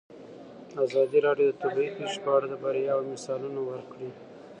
ازادي راډیو د طبیعي پېښې په اړه د بریاوو مثالونه ورکړي.